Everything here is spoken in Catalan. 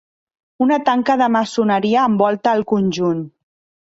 Una tanca de maçoneria envolta el conjunt.